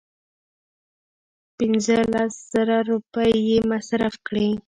پنځه لس زره روپۍ یې مصرف کړې.